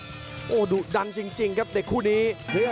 โหดูดันจริงครับเด็กคุณี